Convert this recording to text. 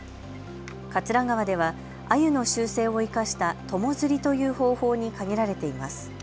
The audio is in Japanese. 桂川ではアユの習性を生かした友釣りという方法に限られています。